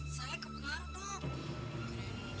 saya kebangar dok